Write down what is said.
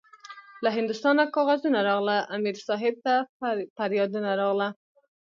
له هندوستانه کاغذونه راغله- امیر صاحب ته پریادونه راغله